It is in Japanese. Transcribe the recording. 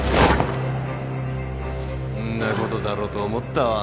んなことだろうと思ったわ。